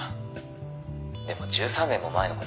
「でも１３年も前の事です」